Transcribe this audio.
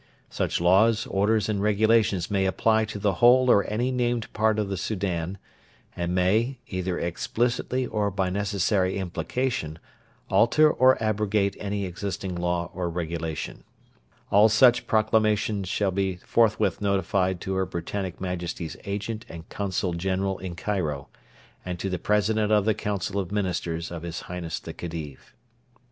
Such Laws, Orders, and Regulations may apply to the whole or any named part of the Soudan, and may, either explicitly or by necessary implication, alter or abrogate any existing Law or Regulation. All such Proclamations shall be forthwith notified to Her Britannic Majesty's Agent and Consul General in Cairo, and to the President of the Council of Ministers of His Highness the Khedive.